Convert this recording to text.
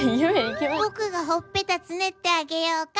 ぼくがほっぺたつねってあげようか？